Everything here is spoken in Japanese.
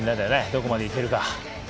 どこまでいけるか。